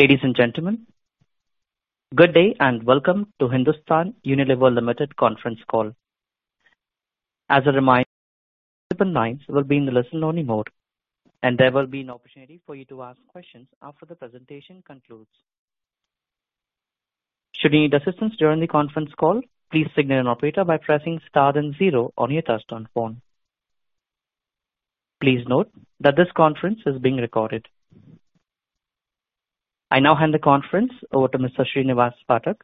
Ladies and gentlemen, good day and welcome to Hindustan Unilever Limited conference call. As a reminder, lines will be in listen-only mode, and there will be an opportunity for you to ask questions after the presentation concludes. Should you need assistance during the conference call, please signal an operator by pressing star and zero on your touchtone phone. Please note that this conference is being recorded. I now hand the conference over to Mr. Srinivas Phatak,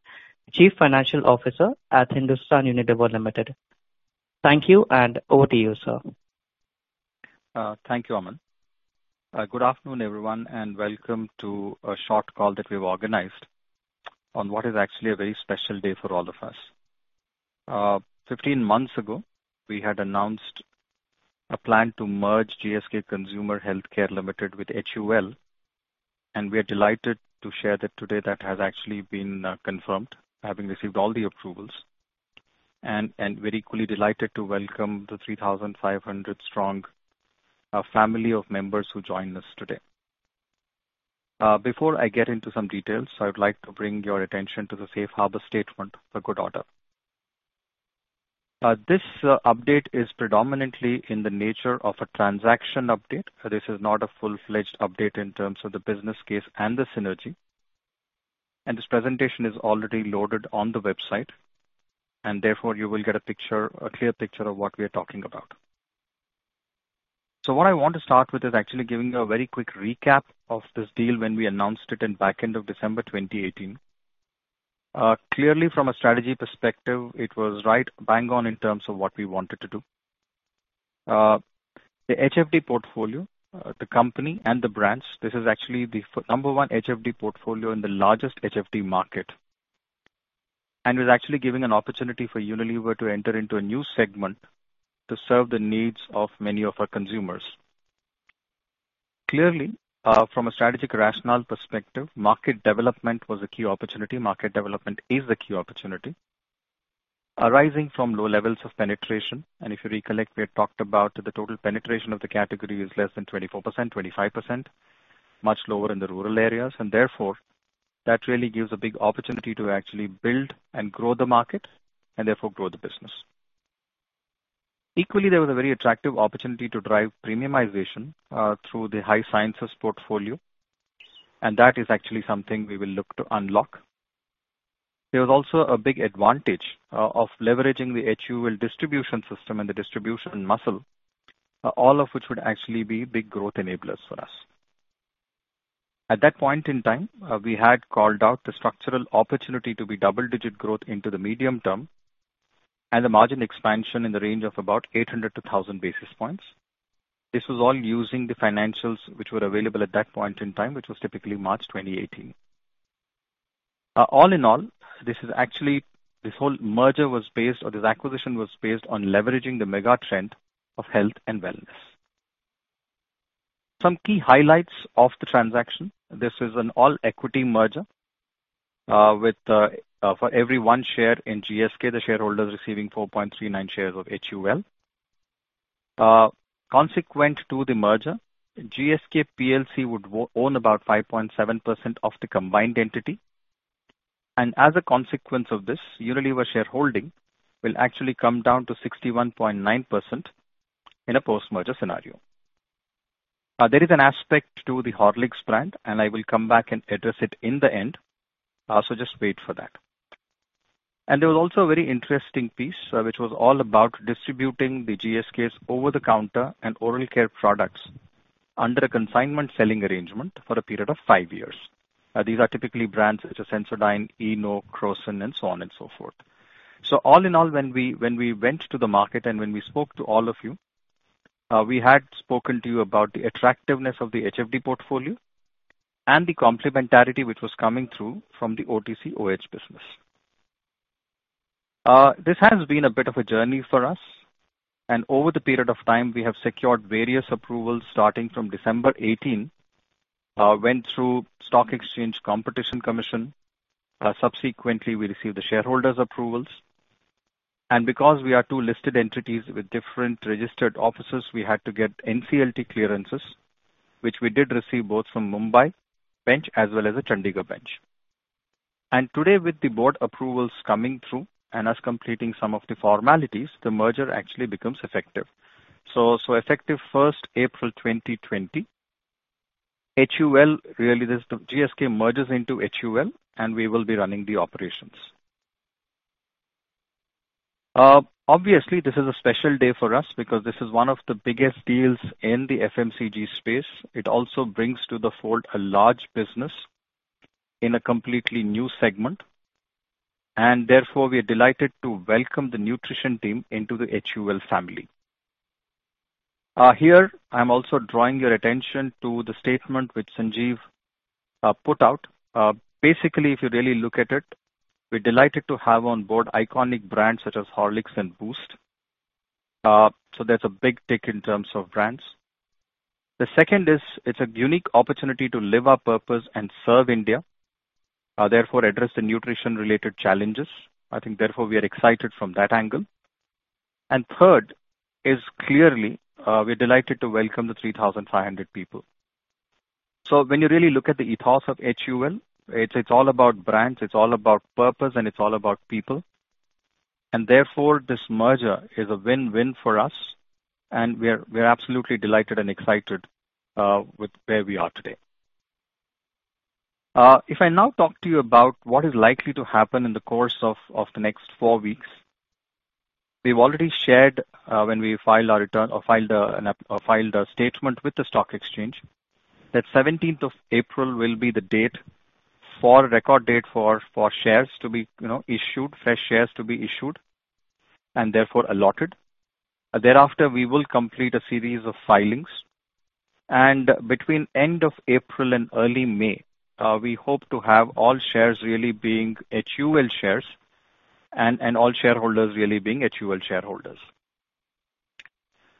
Chief Financial Officer at Hindustan Unilever Limited. Thank you, and over to you, sir. Thank you, Aman. Good afternoon, everyone, and welcome to a short call that we've organized on what is actually a very special day for all of us. 15 months ago, we had announced a plan to merge GlaxoSmithKline Consumer Healthcare Limited with HUL, and we are delighted to share that today that has actually been confirmed, having received all the approvals. We're equally delighted to welcome the 3,500 strong family of members who joined us today. Before I get into some details, I would like to bring your attention to the safe harbor statement for good order. This update is predominantly in the nature of a transaction update. This is not a full-fledged update in terms of the business case and the synergy. This presentation is already loaded on the website, and therefore, you will get a clear picture of what we are talking about. What I want to start with is actually giving a very quick recap of this deal when we announced it in back end of December 2018. Clearly, from a strategy perspective, it was right bang on in terms of what we wanted to do. The HFD portfolio, the company, and the brands. This is actually the number 1 HFD portfolio in the largest HFD market. It was actually giving an opportunity for Unilever to enter into a new segment to serve the needs of many of our consumers. Clearly, from a strategic rationale perspective, market development was a key opportunity. Market development is the key opportunity arising from low levels of penetration. If you recollect, we had talked about the total penetration of the category is less than 24%, 25%, much lower in the rural areas, and therefore, that really gives a big opportunity to actually build and grow the market and therefore grow the business. Equally, there was a very attractive opportunity to drive premiumization through the high sciences portfolio, and that is actually something we will look to unlock. There was also a big advantage of leveraging the HUL distribution system and the distribution muscle, all of which would actually be big growth enablers for us. At that point in time, we had called out the structural opportunity to be double-digit growth into the medium-term and the margin expansion in the range of about 800 to 1,000 basis points. This was all using the financials which were available at that point in time, which was typically March 2018. All in all, this whole merger was based, or this acquisition was based on leveraging the mega trend of health and wellness. Some key highlights of the transaction. This is an all-equity merger for every one share in GSK, the shareholders receiving 4.39 shares of HUL. Consequent to the merger, GSK plc would own about 5.7% of the combined entity. As a consequence of this, Unilever shareholding will actually come down to 61.9% in a post-merger scenario. There is an aspect to the Horlicks brand, and I will come back and address it in the end, so just wait for that. There was also a very interesting piece which was all about distributing the GSK's over-the-counter and oral health products under a consignment selling arrangement for a period of five years. These are typically brands such as Sensodyne, Eno, Crocin, and so on and so forth. All in all, when we went to the market and when we spoke to all of you, we had spoken to you about the attractiveness of the HFD portfolio and the complementarity which was coming through from the OTC/OH business. This has been a bit of a journey for us, and over the period of time, we have secured various approvals starting from December 18, went through stock exchange, Competition Commission. Subsequently, we received the shareholders' approvals. Because we are two listed entities with different registered offices, we had to get NCLT clearances, which we did receive both from Mumbai bench as well as the Chandigarh bench. Today, with the board approvals coming through and us completing some of the formalities, the merger actually becomes effective. Effective first April 2020, GSK merges into HUL, and we will be running the operations. Obviously, this is a special day for us because this is one of the biggest deals in the FMCG space. It also brings to the fold a large business in a completely new segment, and therefore we are delighted to welcome the nutrition team into the HUL family. Here, I'm also drawing your attention to the statement which Sanjiv put out. Basically, if you really look at it, we're delighted to have on board iconic brands such as Horlicks and Boost. That's a big tick in terms of brands. The second is, it's a unique opportunity to live our purpose and serve India, therefore address the nutrition-related challenges. I think, therefore, we are excited from that angle. Third is clearly, we're delighted to welcome the 3,500 people. When you really look at the ethos of HUL, it's all about brands, it's all about purpose, and it's all about people. Therefore, this merger is a win-win for us, and we are absolutely delighted and excited with where we are today. If I now talk to you about what is likely to happen in the course of the next four weeks, we've already shared when we filed our return or filed a statement with the stock exchange, that 17th of April will be the date for record date for shares to be issued, fresh shares to be issued, and therefore allotted. Thereafter, we will complete a series of filings. Between end of April and early May, we hope to have all shares really being HUL shares and all shareholders really being HUL shareholders.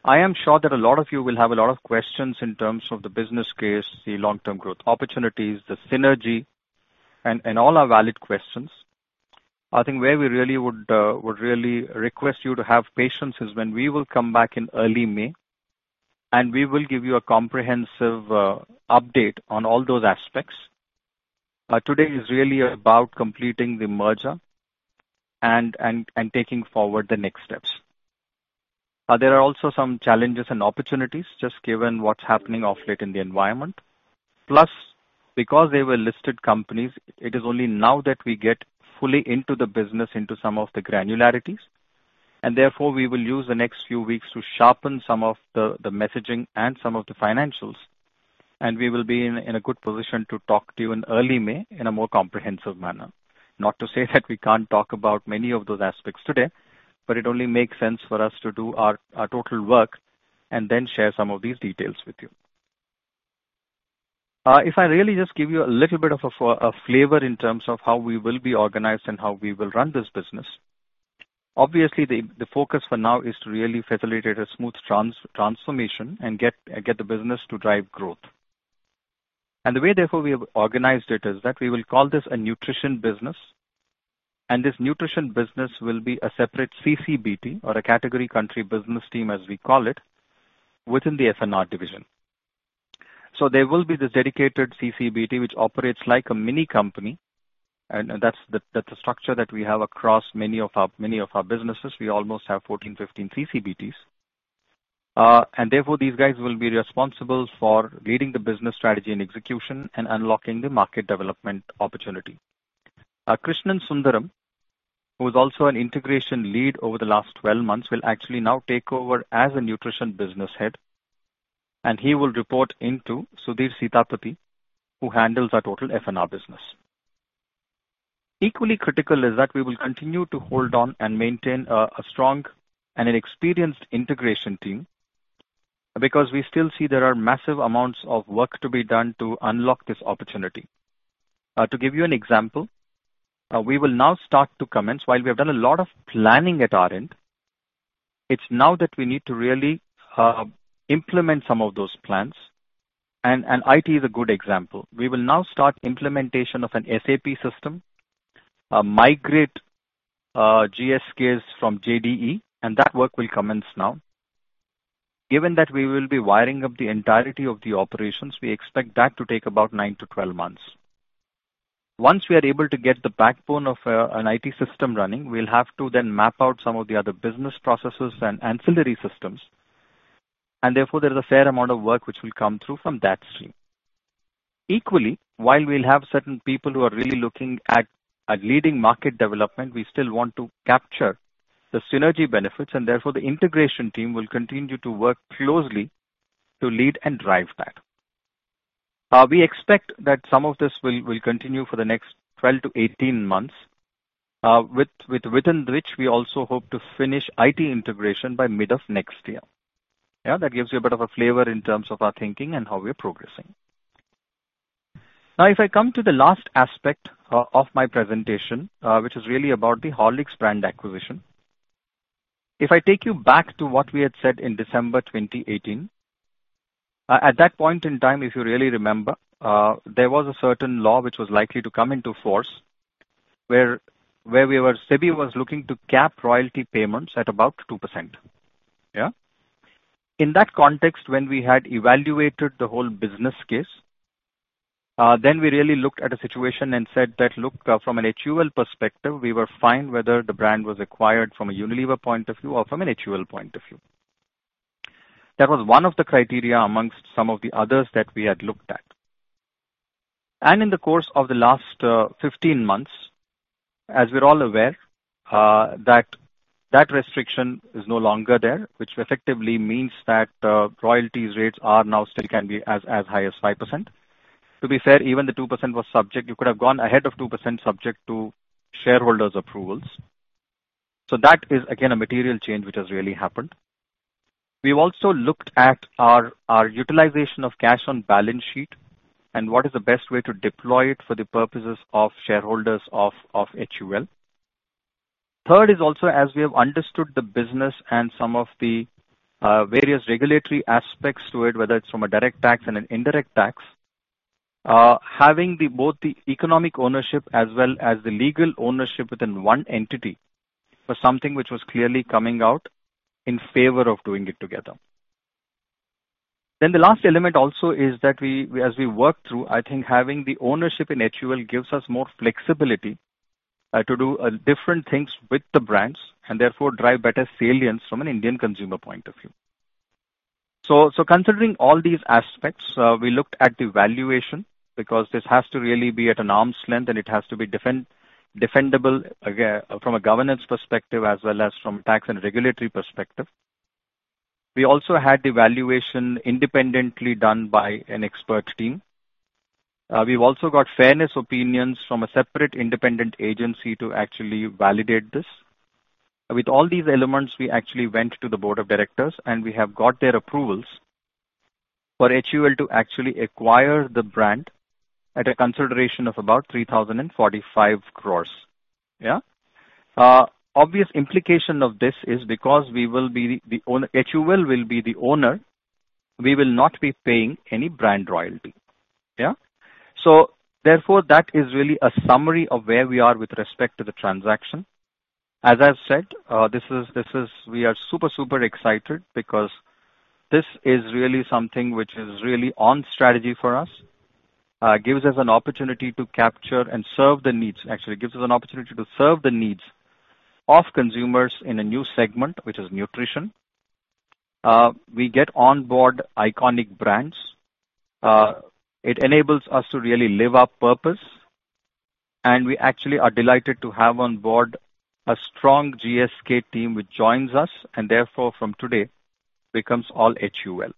I am sure that a lot of you will have a lot of questions in terms of the business case, the long-term growth opportunities, the synergy, and all are valid questions. I think where we really would request you to have patience is when we will come back in early May, and we will give you a comprehensive update on all those aspects. Today is really about completing the merger and taking forward the next steps. There are also some challenges and opportunities just given what's happening of late in the environment. Because they were listed companies, it is only now that we get fully into the business into some of the granularities, and therefore we will use the next few weeks to sharpen some of the messaging and some of the financials, and we will be in a good position to talk to you in early May in a more comprehensive manner. Not to say that we can't talk about many of those aspects today, but it only makes sense for us to do our total work and then share some of these details with you. If I really just give you a little bit of a flavor in terms of how we will be organized and how we will run this business. Obviously, the focus for now is to really facilitate a smooth transformation and get the business to drive growth. The way therefore we have organized it is that we will call this a nutrition business, and this nutrition business will be a separate CCBT or a category country business team, as we call it, within the FNR division. There will be this dedicated CCBT, which operates like a mini company, and that's the structure that we have across many of our businesses. We almost have 14, 15 CCBTs. Therefore these guys will be responsible for leading the business strategy and execution and unlocking the market development opportunity. Krishnan Sundaram, who is also an integration lead over the last 12 months, will actually now take over as a Nutrition Business Head, and he will report into Sudhir Sitapati, who handles our total FNR business. Equally critical is that we will continue to hold on and maintain a strong and an experienced integration team because we still see there are massive amounts of work to be done to unlock this opportunity. To give you an example, we will now start to commence. While we have done a lot of planning at our end, it's now that we need to really implement some of those plans and IT is a good example. We will now start implementation of an SAP system, migrate GSK's from JDE, and that work will commence now. Given that we will be wiring up the entirety of the operations, we expect that to take about nine to 12 months. Once we are able to get the backbone of an IT system running, we'll have to then map out some of the other business processes and ancillary systems, and therefore there is a fair amount of work which will come through from that stream. Equally, while we'll have certain people who are really looking at leading market development, we still want to capture the synergy benefits, and therefore the integration team will continue to work closely to lead and drive that. We expect that some of this will continue for the next 12-18 months, within which we also hope to finish IT integration by mid of next year. Yeah, that gives you a bit of a flavor in terms of our thinking and how we are progressing. If I come to the last aspect of my presentation, which is really about the Horlicks brand acquisition. If I take you back to what we had said in December 2018. At that point in time, if you really remember, there was a certain law which was likely to come into force, where SEBI was looking to cap royalty payments at about 2%. In that context, when we had evaluated the whole business case, then we really looked at a situation and said that, "Look, from an HUL perspective, we were fine whether the brand was acquired from a Unilever point of view or from an HUL point of view." That was one of the criteria amongst some of the others that we had looked at. In the course of the last 15 months, as we're all aware, that restriction is no longer there, which effectively means that royalties rates are now still can be as high as 5%. To be fair, even the 2% was subject, you could have gone ahead of 2% subject to shareholders' approvals. That is again, a material change which has really happened. We've also looked at our utilization of cash on balance sheet and what is the best way to deploy it for the purposes of shareholders of HUL. Third is also, as we have understood the business and some of the various regulatory aspects to it, whether it's from a direct tax and an indirect tax, having both the economic ownership as well as the legal ownership within one entity was something which was clearly coming out in favor of doing it together. The last element also is that as we work through, I think having the ownership in HUL gives us more flexibility to do different things with the brands and therefore drive better salience from an Indian consumer point of view. Considering all these aspects, we looked at the valuation because this has to really be at an arm's length and it has to be defendable from a governance perspective as well as from tax and regulatory perspective. We also had the valuation independently done by an expert team. We've also got fairness opinions from a separate independent agency to actually validate this. With all these elements, we actually went to the board of directors and we have got their approvals for HUL to actually acquire the brand at a consideration of about 3,045 crores. Yeah? Obvious implication of this is because HUL will be the owner, we will not be paying any brand royalty. Yeah? Therefore, that is really a summary of where we are with respect to the transaction. As I've said, we are super excited because this is really something which is really on strategy for us. Gives us an opportunity to capture and serve the needs. Actually gives us an opportunity to serve the needs of consumers in a new segment, which is nutrition. We get onboard iconic brands. It enables us to really live our purpose, and we actually are delighted to have onboard a strong GSK team which joins us and therefore from today becomes all HUL.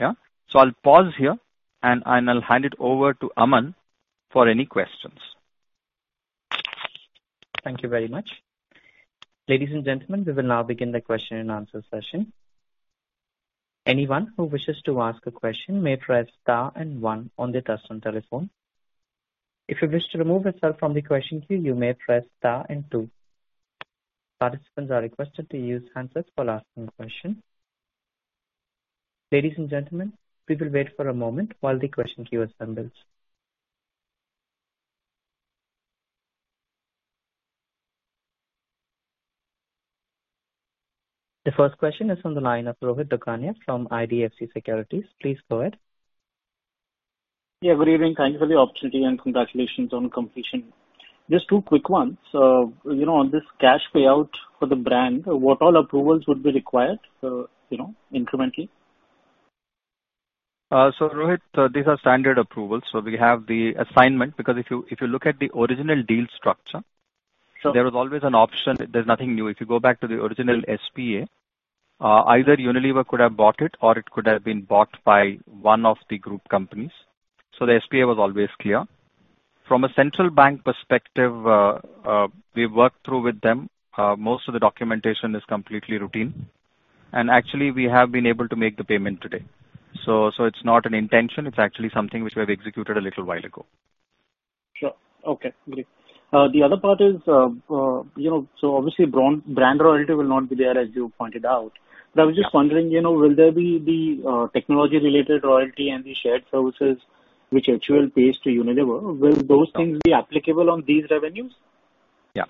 Yeah? I'll pause here and I'll hand it over to Aman for any questions. Thank you very much. Ladies and gentlemen, we will now begin the question and answer session. Anyone who wishes to ask a question may press star and one on their touchtone telephone. If you wish to remove yourself from the question queue, you may press star and two. Participants are requested to use handsets for asking questions. Ladies and gentlemen, we will wait for a moment while the question queue assembles. The first question is on the line of Rohit Dukania from IDFC Securities. Please go ahead. Yeah, good evening. Thanks for the opportunity and congratulations on completion. Just two quick ones. On this cash payout for the brand, what all approvals would be required incrementally? Rohit, these are standard approvals. We have the assignment because if you look at the original deal structure. Sure. There is always an option. There's nothing new. If you go back to the original SPA, either Unilever could have bought it or it could have been bought by one of the group companies. The SPA was always clear. From a central bank perspective, we've worked through with them. Most of the documentation is completely routine, and actually we have been able to make the payment today. It's not an intention, it's actually something which we have executed a little while ago. Sure. Okay, great. The other part is, obviously brand royalty will not be there, as you pointed out. But I was just wondering, will there be the technology-related royalty and the shared services which HUL pays to Unilever? Will those things be applicable on these revenues? Yeah.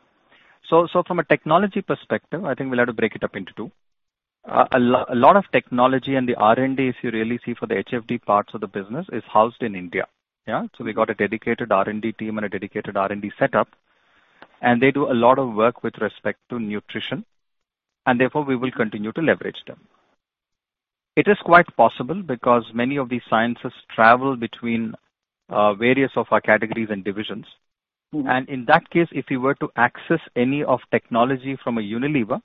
From a technology perspective, I think we'll have to break it up into 2. A lot of technology and the R&D, if you really see for the HFD parts of the business, is housed in India. Yeah? We've got a dedicated R&D team and a dedicated R&D setup, and they do a lot of work with respect to nutrition, and therefore, we will continue to leverage them. It is quite possible because many of these sciences travel between various of our categories and divisions. In that case, if we were to access any of technology from Unilever.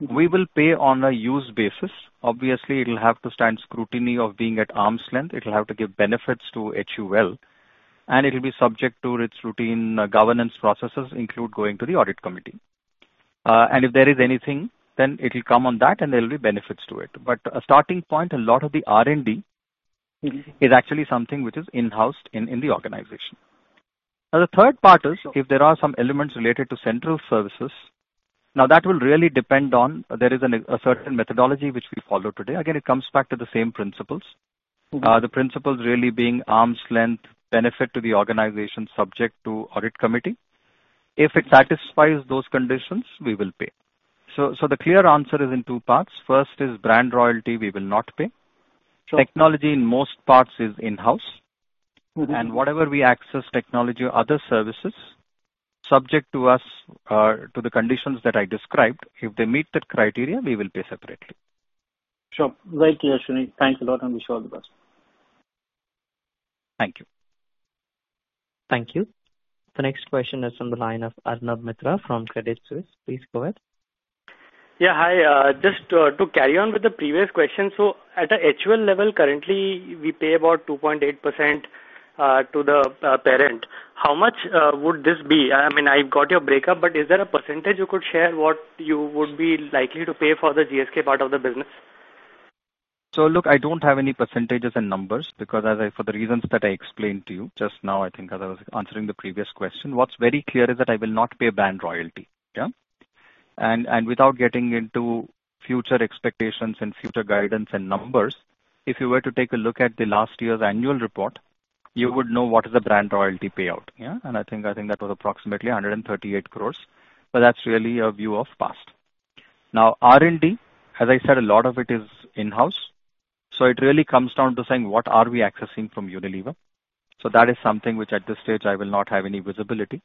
We will pay on a use basis. Obviously, it'll have to stand scrutiny of being at arm's length. It'll have to give benefits to HUL, and it'll be subject to its routine governance processes, include going to the audit committee. If there is anything, then it'll come on that and there will be benefits to it. A starting point, a lot of the R&D. Is actually something which is in-housed in the organization. The third part is if there are some elements related to central services, there is a certain methodology which we follow today. It comes back to the same principles. The principles really being arm's length benefit to the organization subject to audit committee. If it satisfies those conditions, we will pay. The clear answer is in two parts. First is brand royalty, we will not pay. Sure. Technology in most parts is in-house. Whatever we access technology or other services, subject to the conditions that I described, if they meet that criteria, we will pay separately. Sure. Very clear, Srinivas. Thanks a lot and wish you all the best. Thank you. Thank you. The next question is on the line of Arnab Mitra from Credit Suisse. Please go ahead. Yeah, hi. Just to carry on with the previous question. At a HUL level, currently, we pay about 2.8% to the parent. How much would this be? I mean, I've got your breakup, but is there a percentage you could share what you would be likely to pay for the GSK part of the business? Look, I don't have any percentages and numbers because for the reasons that I explained to you just now, I think as I was answering the previous question. What's very clear is that I will not pay brand royalty. Yeah. Without getting into future expectations and future guidance and numbers, if you were to take a look at the last year's annual report, you would know what is the brand royalty payout. I think that was approximately 138 crores, but that's really a view of past. R&D, as I said, a lot of it is in-house. It really comes down to saying, what are we accessing from Unilever? That is something which at this stage I will not have any visibility.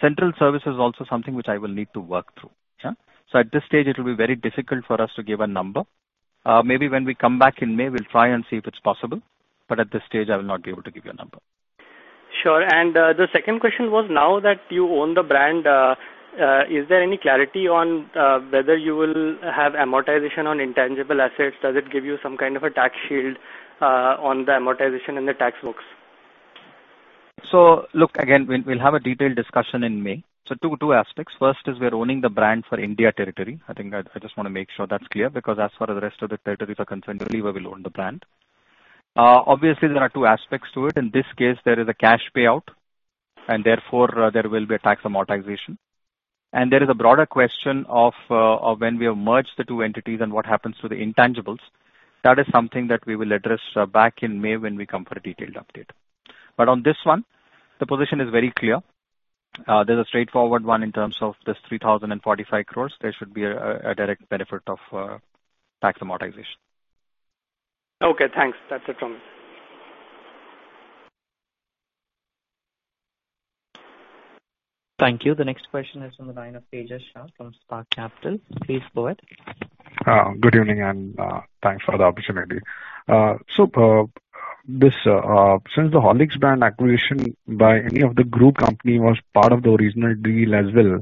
Central service is also something which I will need to work through. At this stage, it will be very difficult for us to give a number. Maybe when we come back in May, we will try and see if it is possible, but at this stage, I will not be able to give you a number. Sure. The second question was, now that you own the brand, is there any clarity on whether you will have amortization on intangible assets? Does it give you some kind of a tax shield on the amortization in the tax books? Look, again, we'll have a detailed discussion in May. Two aspects. First is we are owning the brand for India territory. I think I just want to make sure that's clear, because as far as the rest of the territories are concerned, Unilever will own the brand. Obviously, there are two aspects to it. In this case, there is a cash payout, and therefore, there will be a tax amortization. There is a broader question of when we have merged the two entities and what happens to the intangibles. That is something that we will address back in May when we come for a detailed update. On this one, the position is very clear. There's a straightforward one in terms of this 3,045 crores. There should be a direct benefit of tax amortization. Okay, thanks. That's it from me. Thank you. The next question is on the line of Tejash Shah from Spark Capital. Please go ahead. Good evening, thanks for the opportunity. Since the Horlicks brand acquisition by any of the group company was part of the original deal as well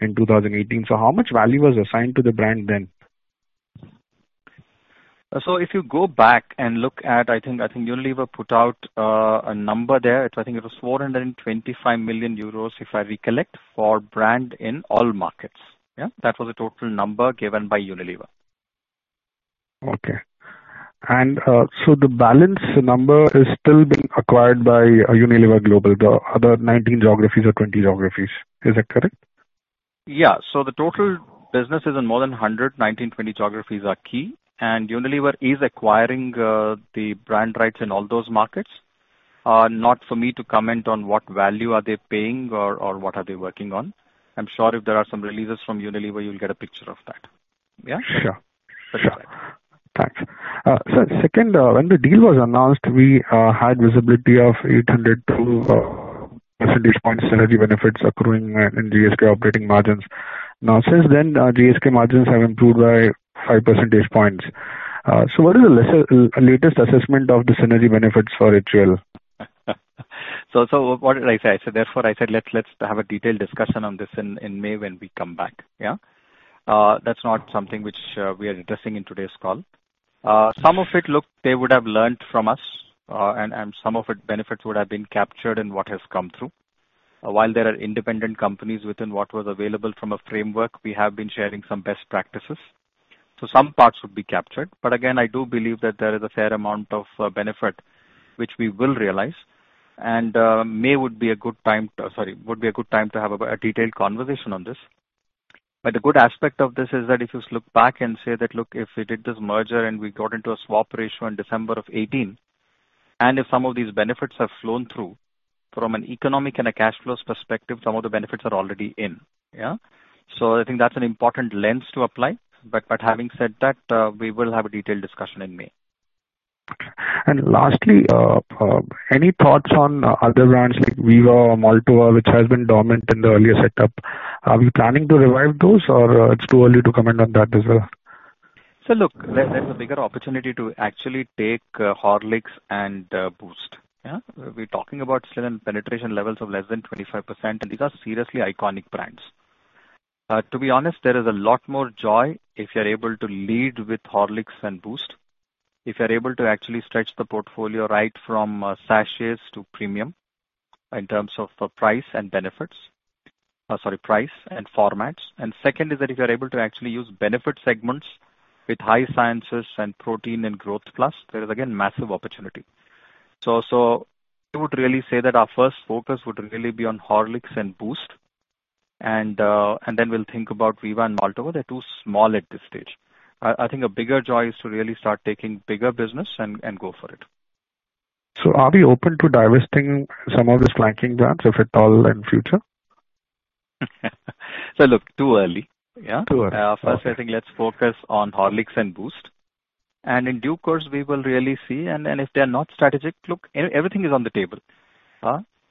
in 2018, how much value was assigned to the brand then? If you go back and look at, I think Unilever put out a number there. I think it was 425 million euros if I recollect, for brand in all markets. That was the total number given by Unilever. Okay. The balance number is still being acquired by Unilever Global, the other 19 geographies or 20 geographies. Is that correct? Yeah. The total business is in more than 100, 19, 20 geographies are key, and Unilever is acquiring the brand rights in all those markets. Not for me to comment on what value are they paying or what are they working on. I am sure if there are some releases from Unilever, you'll get a picture of that. Sure. Thanks. Sir, second, when the deal was announced, we had visibility of 800 t0 1000 percentage points synergy benefits accruing in GSK operating margins. Since then, GSK margins have improved by 5 percentage points. What is the latest assessment of the synergy benefits for HUL? What did I say? Therefore, I said, let's have a detailed discussion on this in May when we come back. That's not something which we are addressing in today's call. Some of it, look, they would have learnt from us, and some of it, benefits would have been captured in what has come through. While there are independent companies within what was available from a framework, we have been sharing some best practices. Some parts would be captured. Again, I do believe that there is a fair amount of benefit which we will realize, and May would be a good time to have a detailed conversation on this. The good aspect of this is that if you look back and say that, look, if we did this merger and we got into a swap ratio in December of 2018, and if some of these benefits have flown through, from an economic and a cash flows perspective, some of the benefits are already in. I think that's an important lens to apply. Having said that, we will have a detailed discussion in May. Lastly, any thoughts on other brands like Viva or Maltova, which has been dormant in the earlier setup? Are we planning to revive those, or it is too early to comment on that as well? Look, there's a bigger opportunity to actually take Horlicks and Boost. We're talking about still penetration levels of less than 25%, and these are seriously iconic brands. To be honest, there is a lot more joy if you're able to lead with Horlicks and Boost. If you're able to actually stretch the portfolio right from sachets to premium in terms of price and benefits. Sorry, price and formats. Second is that if you're able to actually use benefit segments with high sciences and Protein+ and Horlicks Growth+, there is again, massive opportunity. I would really say that our first focus would really be on Horlicks and Boost, and then we'll think about Viva and Maltova. They're too small at this stage. I think a bigger joy is to really start taking bigger business and go for it. Are we open to divesting some of these flanking brands, if at all, in future? Look, too early. Too early. Okay. First, I think let's focus on Horlicks and Boost. In due course, we will really see, and if they're not strategic, look, everything is on the table.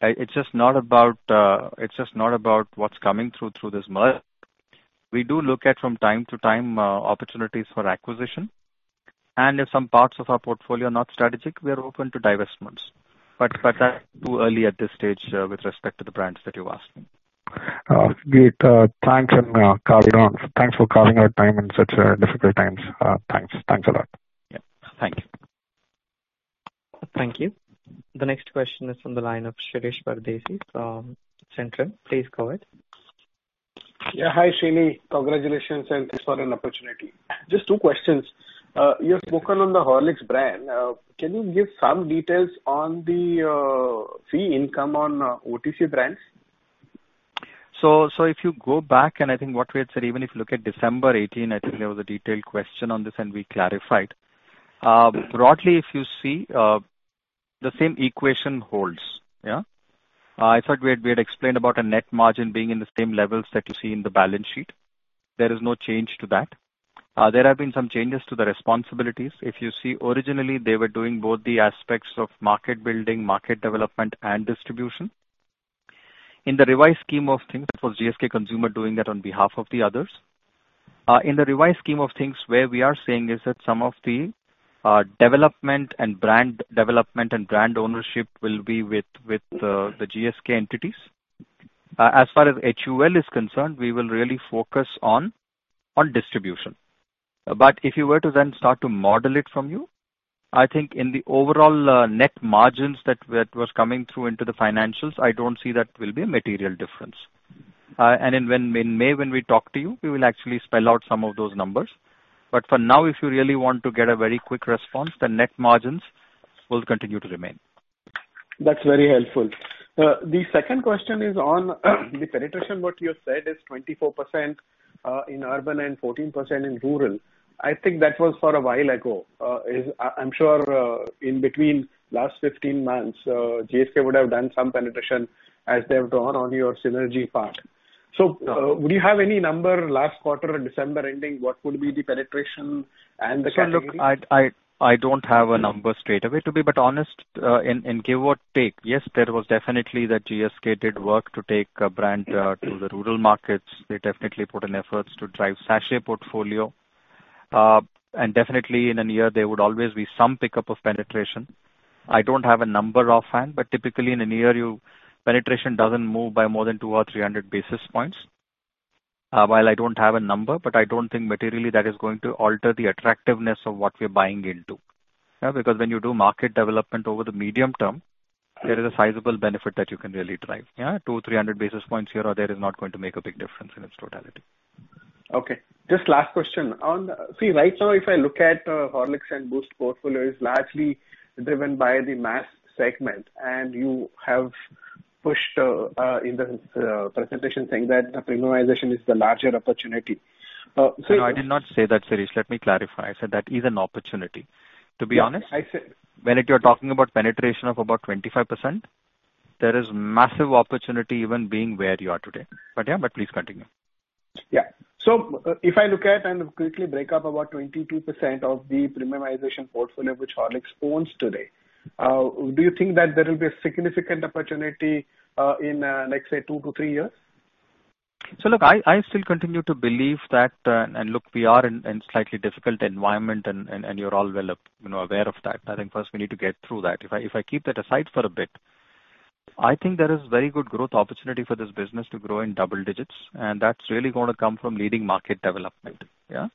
It's just not about what's coming through this merger. We do look at, from time to time, opportunities for acquisition. If some parts of our portfolio are not strategic, we are open to divestments. That's too early at this stage with respect to the brands that you've asked me. Great. Thanks for carving out time in such difficult times. Thanks. Thanks a lot. Yeah. Thank you. Thank you. The next question is from the line of Shirish Pardeshi from Centrum. Please go ahead. Yeah. Hi, Srini. Congratulations, and thanks for an opportunity. Just two questions. You have spoken on the Horlicks brand. Can you give some details on the fee income on OTC brands? If you go back and I think what we had said, even if you look at December 2018, I think there was a detailed question on this, and we clarified. Broadly, if you see, the same equation holds. Yeah. I thought we had explained about a net margin being in the same levels that you see in the balance sheet. There is no change to that. There have been some changes to the responsibilities. If you see, originally, they were doing both the aspects of market building, market development, and distribution. In the revised scheme of things, it was GSK Consumer doing that on behalf of the others. In the revised scheme of things, where we are saying is that some of the development and brand development and brand ownership will be with the GSK entities. As far as HUL is concerned, we will really focus on distribution. If you were to then start to model it from you, I think in the overall net margins that was coming through into the financials, I don't see that will be a material difference. In May, when we talk to you, we will actually spell out some of those numbers. For now, if you really want to get a very quick response, the net margins will continue to remain. That's very helpful. The second question is on the penetration, what you have said is 24% in urban and 14% in rural. I think that was for a while ago. I'm sure in between last 15 months, GSK would have done some penetration as they have drawn on your synergy part. Do you have any number last quarter in December ending, what would be the penetration. Look, I don't have a number straightaway, to be but honest and give or take, yes, there was definitely that GSK did work to take a brand to the rural markets. They definitely put in efforts to drive sachet portfolio. Definitely in a year, there would always be some pickup of penetration. I don't have a number offhand, typically in a year, penetration doesn't move by more than 200 or 300 basis points. While I don't have a number, but I don't think materially that is going to alter the attractiveness of what we're buying into. When you do market development over the medium term, there is a sizable benefit that you can really drive. Yeah. 200 or 300 basis points here or there is not going to make a big difference in its totality. Okay. Just last question. See, right now, if I look at Horlicks and Boost portfolio is largely driven by the mass segment, and you have pushed in the presentation saying that the premiumization is the larger opportunity. No, I did not say that, Shirish. Let me clarify. I said that is an opportunity. Yeah. I see. You're talking about penetration of about 25%. There is massive opportunity even being where you are today. Yeah, but please continue. Yeah. If I look at and quickly break up about 22% of the premiumization portfolio which Horlicks owns today, do you think that there will be a significant opportunity in, let's say, two to three years? Look, I still continue to believe that. Look, we are in slightly difficult environment, and you're all well aware of that. I think first we need to get through that. If I keep that aside for a bit, I think there is very good growth opportunity for this business to grow in double digits, and that's really going to come from leading market development. Yeah.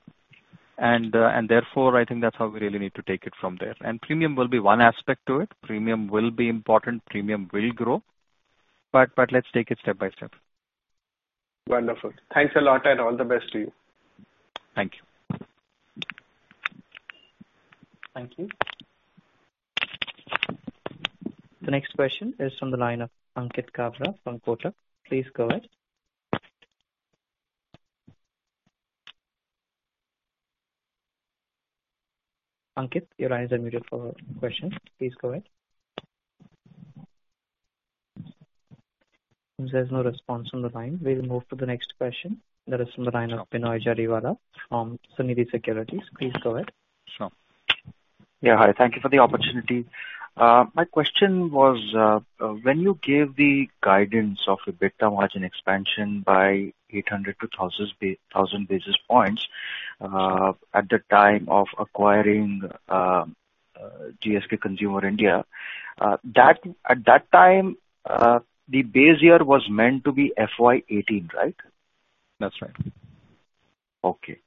Therefore, I think that's how we really need to take it from there. Premium will be one aspect to it. Premium will be important, premium will grow, but let's take it step by step. Wonderful. Thanks a lot and all the best to you. Thank you. Thank you. The next question is from the line of Ankit Kabra from Kotak. Please go ahead. Ankit, your lines are muted for questions. Please go ahead. Since there's no response on the line, we'll move to the next question that is from the line of Binoy Jariwala from Sunidhi Securities. Please go ahead. Yeah. Hi. Thank you for the opportunity. My question was, when you gave the guidance of EBITDA margin expansion by 800 to 1,000 basis points at the time of acquiring GSK Consumer India, at that time, the base year was meant to be FY 2018, right? That's right. Okay.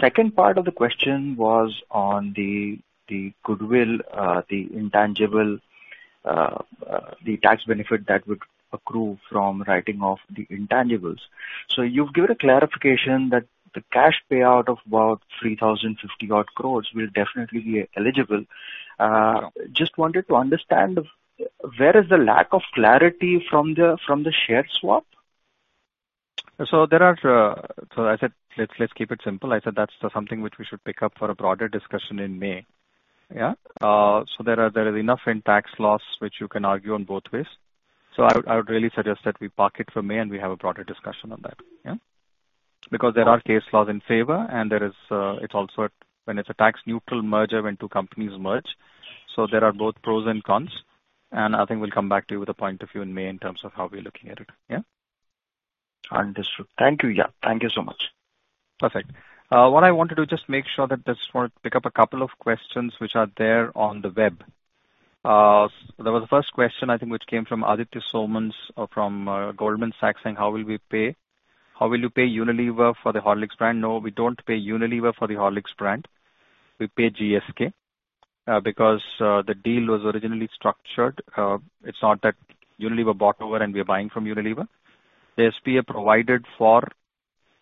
Second part of the question was on the goodwill, the intangible, the tax benefit that would accrue from writing off the intangibles. You've given a clarification that the cash payout of about 3,050 odd crores will definitely be eligible. Just wanted to understand, where is the lack of clarity from the share swap? I said, let's keep it simple. I said that's something which we should pick up for a broader discussion in May. Yeah. There is enough in tax laws which you can argue on both ways. I would really suggest that we park it for May, and we have a broader discussion on that. Yeah. Because there are case laws in favor and it's a tax neutral merger when two companies merge. There are both pros and cons, and I think we'll come back to you with a point of view in May in terms of how we're looking at it. Yeah. Understood. Thank you. Yeah. Thank you so much. Perfect. What I want to do, just make sure that just want to pick up a couple of questions which are there on the web. There was the first question, I think, which came from Aditya Soman from Goldman Sachs saying, "How will you pay Unilever for the Horlicks brand?" No, we don't pay Unilever for the Horlicks brand. We pay GSK. The deal was originally structured. It's not that Unilever bought over and we are buying from Unilever. The SPA provided for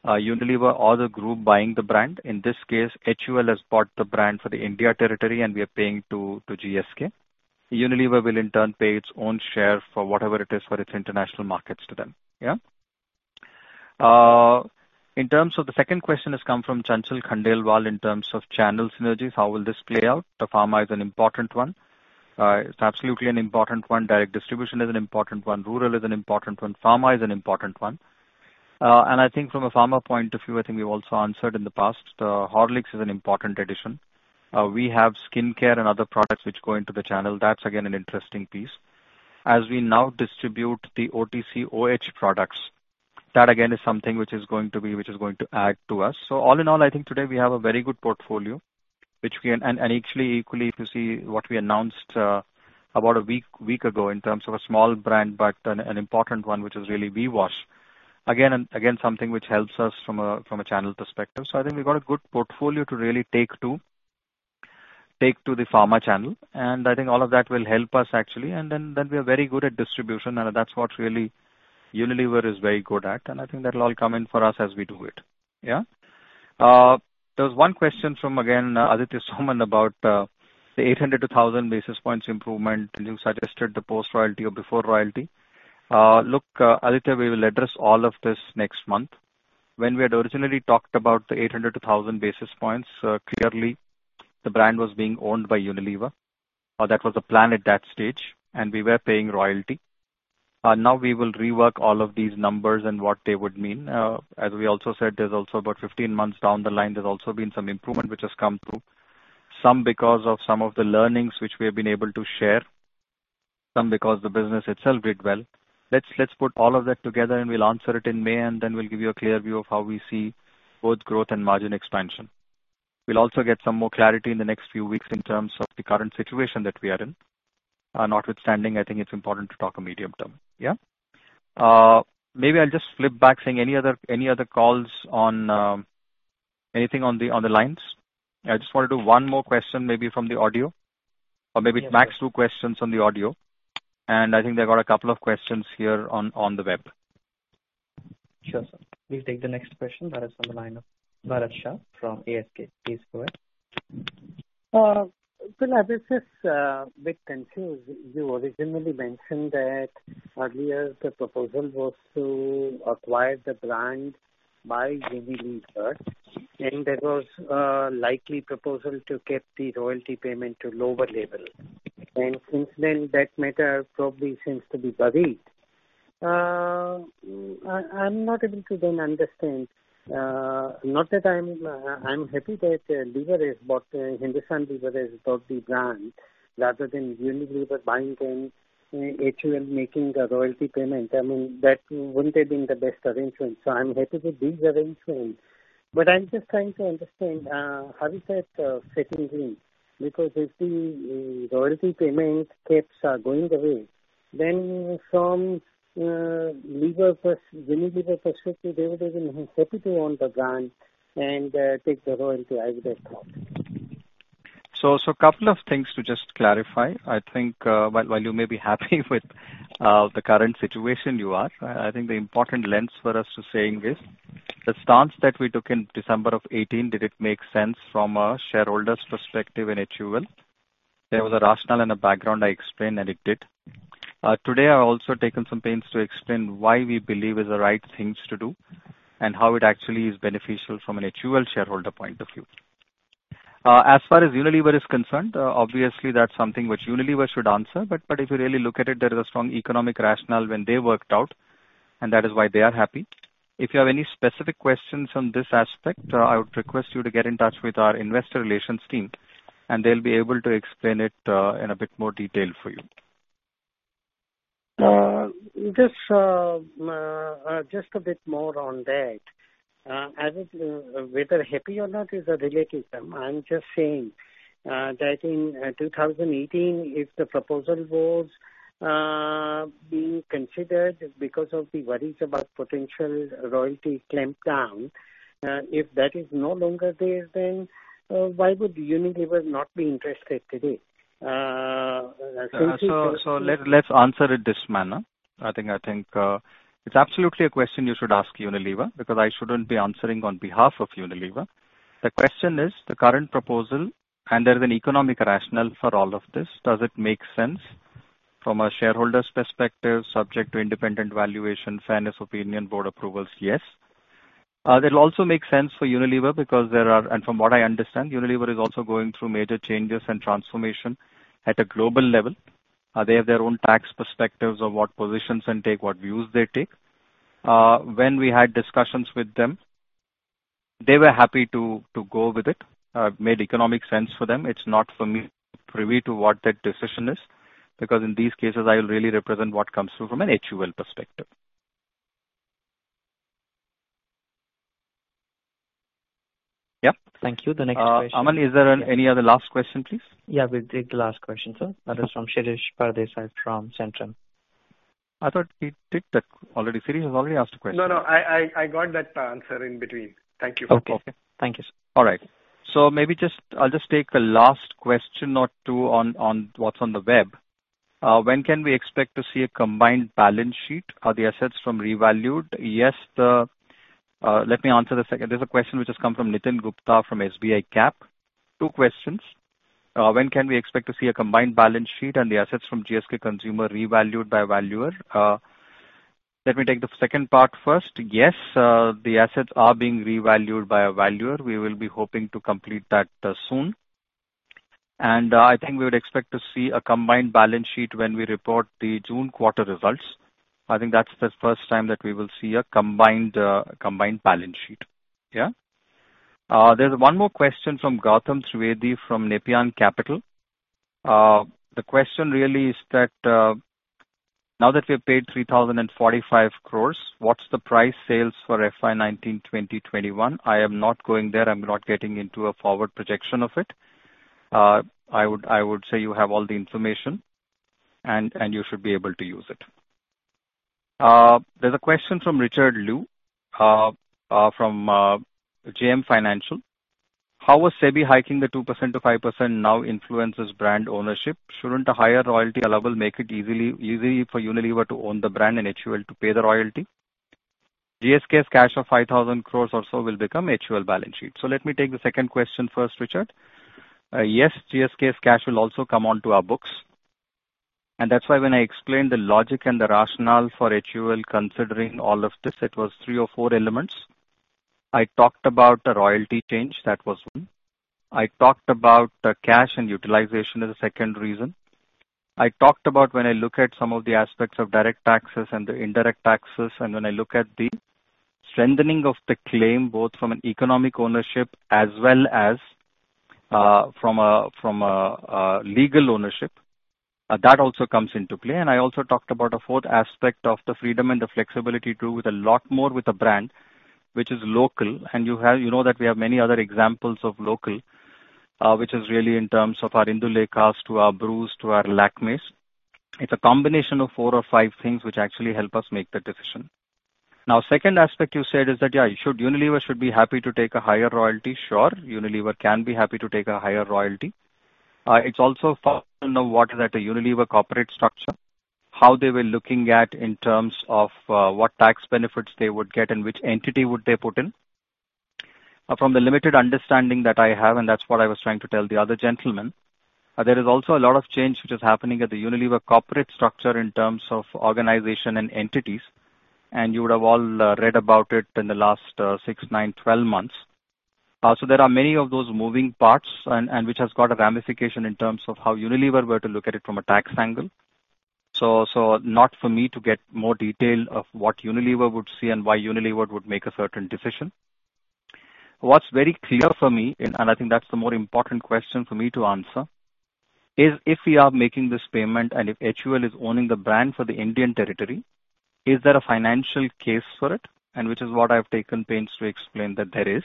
Unilever or the group buying the brand. In this case, HUL has bought the brand for the India territory, and we are paying to GSK. Unilever will in turn pay its own share for whatever it is for its international markets to them. Yeah. In terms of the second question that's come from Chanchal Khandelwal in terms of channel synergies, how will this play out? The pharma is an important one. It's absolutely an important one. Direct distribution is an important one. Rural is an important one. Pharma is an important one. I think from a pharma point of view, I think we've also answered in the past, Horlicks is an important addition. We have skincare and other products which go into the channel. That's again, an interesting piece. As we now distribute the OTC/OH products, that again, is something which is going to add to us. All in all, I think today we have a very good portfolio, and actually equally, if you see what we announced about a week ago in terms of a small brand, but an important one, which is really VWash. Again, something which helps us from a channel perspective. I think we've got a good portfolio to really take to the pharma channel, and I think all of that will help us actually. We are very good at distribution, and that's what really Unilever is very good at, and I think that'll all come in for us as we do it. Yeah. There was one question from, again, Aditya Soman about the 800-1,000 basis points improvement, and you suggested the post-royalty or before royalty. Look, Aditya, we will address all of this next month. When we had originally talked about the 800-1,000 basis points, clearly the brand was being owned by Unilever. That was the plan at that stage, and we were paying royalty. We will rework all of these numbers and what they would mean. As we also said, there's also about 15 months down the line, there's also been some improvement which has come through. Some because of some of the learnings which we have been able to share, some because the business itself did well. Let's put all of that together and we'll answer it in May, and then we'll give you a clear view of how we see both growth and margin expansion. We'll also get some more clarity in the next few weeks in terms of the current situation that we are in. Notwithstanding, I think it's important to talk a medium-term. Yeah. Maybe I'll just flip back, saying any other calls on anything on the lines? I just want to do one more question, maybe from the audio, or maybe at max two questions on the audio. I think they've got a couple of questions here on the web. Sure, sir. We'll take the next question. That is on the line of Bharat Shah from ASK. Please go ahead. Srinivas, this is a bit confusing. You originally mentioned that earlier the proposal was to acquire the brand by Unilever, and there was a likely proposal to keep the royalty payment to lower level. Since then that matter probably seems to be buried. I'm not able to then understand, not that I'm happy that Hindustan Lever has bought the brand rather than Unilever buying them, HUL making a royalty payment. I mean, that wouldn't have been the best arrangement, so I'm happy with this arrangement. I'm just trying to understand, how is that fitting in? If the royalty payment caps are going away, then from Unilever perspective, they would have been happy to own the brand and take the royalty out of that. Couple of things to just clarify. I think while you may be happy with the current situation you are, I think the important lens for us to saying this, the stance that we took in December of 2018, did it make sense from a shareholder's perspective in Hindustan Unilever Limited? There was a rationale and a background I explained, and it did. Today, I've also taken some pains to explain why we believe is the right things to do and how it actually is beneficial from an Hindustan Unilever Limited shareholder point of view. As far as Unilever is concerned, obviously that's something which Unilever should answer. If you really look at it, there is a strong economic rationale when they worked out, and that is why they are happy. If you have any specific questions on this aspect, I would request you to get in touch with our investor relations team, and they'll be able to explain it in a bit more detail for you. Just a bit more on that. I think whether happy or not is a relativism. I'm just saying that in 2018, if the proposal was being considered because of the worries about potential royalty clamp down, if that is no longer there, then why would Unilever not be interested today? Let's answer it this manner. I think it's absolutely a question you should ask Unilever, because I shouldn't be answering on behalf of Unilever. The question is the current proposal, and there's an economic rationale for all of this. Does it make sense from a shareholder's perspective, subject to independent valuation, fairness opinion, board approvals? Yes. That also makes sense for Unilever because from what I understand, Unilever is also going through major changes and transformation at a global level. They have their own tax perspectives of what positions and take what views they take. When we had discussions with them, they were happy to go with it. It made economic sense for them. It's not for me to privy to what that decision is, because in these cases, I'll really represent what comes through from an HUL perspective. Yeah. Thank you. Aman, is there any other last question, please? Yeah. We'll take the last question, sir. That is from Shirish Pardeshi from Centrum. I thought he did that already. Srini has already asked a question. No, I got that answer in between. Thank you. Okay. Thank you, sir. All right. Maybe I'll just take a last question or two on what's on the web. When can we expect to see a combined balance sheet? Are the assets from revalued? Yes. Let me answer the second. There's a question which has come from Nitin Gupta from SBICAP. Two questions. When can we expect to see a combined balance sheet and the assets from GSK Consumer revalued by a valuer? Let me take the second part first. Yes, the assets are being revalued by a valuer. We will be hoping to complete that soon. I think we would expect to see a combined balance sheet when we report the June quarter results. I think that's the first time that we will see a combined balance sheet. Yeah. There's one more question from Gautam Trivedi from Nepean Capital. The question really is that, now that we have paid 3,045 crore, what's the price sales for FY 2019, 2020, 2021? I am not going there. I'm not getting into a forward projection of it. I would say you have all the information, and you should be able to use it. There's a question from Richard Liu from JM Financial. How was SEBI hiking the 2%-5% now influences brand ownership? Shouldn't a higher royalty level make it easy for Unilever to own the brand and HUL to pay the royalty? GSK's cash of 5,000 crore or so will become HUL balance sheet. Let me take the second question first, Richard. Yes, GSK's cash will also come onto our books, and that's why when I explained the logic and the rationale for HUL considering all of this, it was three or four elements. I talked about a royalty change. That was one. I talked about cash and utilization as a second reason. I talked about when I look at some of the aspects of direct taxes and the indirect taxes, and when I look at the strengthening of the claim, both from an economic ownership as well as from a legal ownership. That also comes into play. I also talked about a fourth aspect of the freedom and the flexibility to do a lot more with a brand which is local. You know that we have many other examples of local, which is really in terms of our Indulekha to our Bru to our Lakmé. It's a combination of four or five things which actually help us make the decision. Now, second aspect you said is that, yeah, Unilever should be happy to take a higher royalty. Sure, Unilever can be happy to take a higher royalty. It's also functional now what is at a Unilever corporate structure, how they were looking at in terms of what tax benefits they would get and which entity would they put in. From the limited understanding that I have, and that's what I was trying to tell the other gentleman, there is also a lot of change which is happening at the Unilever corporate structure in terms of organization and entities, and you would have all read about it in the last 6, 9, 12 months. There are many of those moving parts, and which has got a ramification in terms of how Unilever were to look at it from a tax angle. Not for me to get more detail of what Unilever would see and why Unilever would make a certain decision. What's very clear for me, and I think that's the more important question for me to answer, is if we are making this payment and if HUL is owning the brand for the Indian territory, is there a financial case for it? Which is what I've taken pains to explain that there is,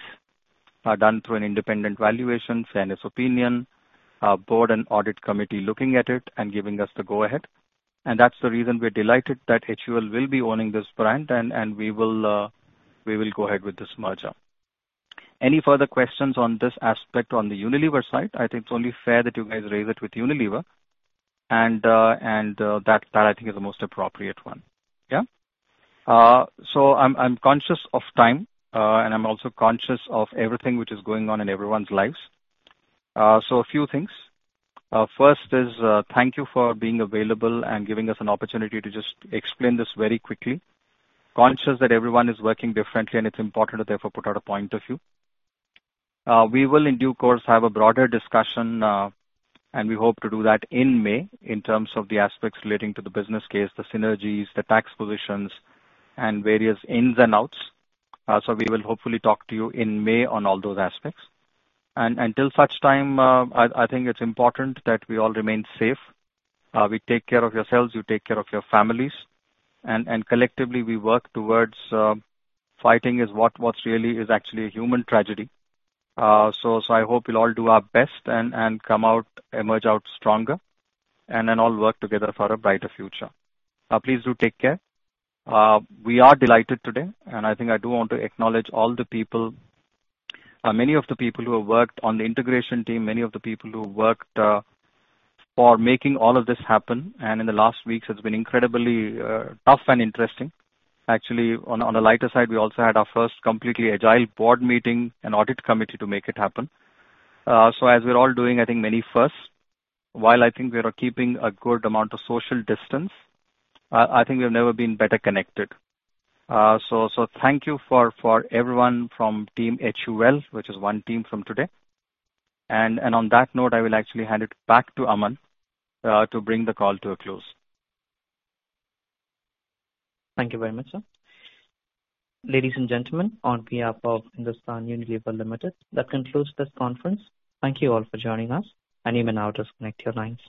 done through an independent valuation, fairness opinion, board and audit committee looking at it and giving us the go ahead. That's the reason we're delighted that HUL will be owning this brand, and we will go ahead with this merger. Any further questions on this aspect on the Unilever side, I think it's only fair that you guys raise it with Unilever, and that, I think is the most appropriate one. Yeah? I'm conscious of time, and I'm also conscious of everything which is going on in everyone's lives. A few things. First is, thank you for being available and giving us an opportunity to just explain this very quickly. Conscious that everyone is working differently, it's important to therefore put out a point of view. We will in due course have a broader discussion, we hope to do that in May in terms of the aspects relating to the business case, the synergies, the tax positions and various ins and outs. We will hopefully talk to you in May on all those aspects. Till such time, I think it's important that we all remain safe. We take care of yourselves, you take care of your families, collectively, we work towards fighting what's really is actually a human tragedy. I hope we'll all do our best and come out, emerge out stronger and then all work together for a brighter future. Please do take care. We are delighted today and I think I do want to acknowledge all the people, many of the people who have worked on the integration team, many of the people who have worked for making all of this happen, and in the last weeks, it's been incredibly tough and interesting. Actually, on a lighter side, we also had our first completely agile board meeting and audit committee to make it happen. As we're all doing, I think many firsts, while I think we are keeping a good amount of social distance, I think we've never been better connected. Thank you for everyone from team HUL, which is one team from today. On that note, I will actually hand it back to Aman, to bring the call to a close. Thank you very much, sir. Ladies and gentlemen, on behalf of Hindustan Unilever Limited, that concludes this conference. Thank you all for joining us and you may now disconnect your lines.